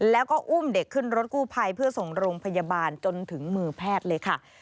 แล้วก็อุ้มเด็กขึ้นรถกู้ภัยเพื่อส่งโรงพยาบาลจนถึงมือแพทย์เลยค่ะ